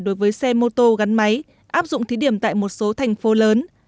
đối với xe mô tô gắn máy áp dụng thí điểm tại một số thành phố lớn